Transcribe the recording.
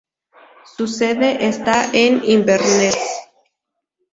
Su sede está en Inverness.